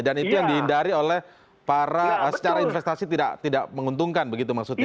dan itu yang dihindari oleh para secara investasi tidak menguntungkan begitu maksudnya